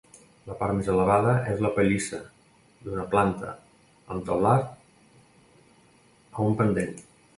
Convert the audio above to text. La part més elevada és la pallissa, d'una planta, amb teulat a un pendent.